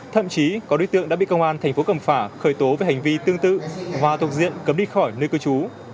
thậm chí có đối tượng đã bị công an tp cầm phả khởi tố về hành vi tương tự và thuộc diện cấm đi khỏi nơi cư trú